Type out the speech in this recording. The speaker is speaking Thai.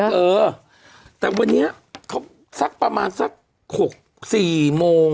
ตั้งแต่วันนี้สักประมาณประมาณ๖๐๔๐โหม